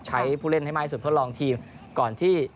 ใช้ผู้เล่นให้มาให้สุดเพื่อลองทีมก่อนที่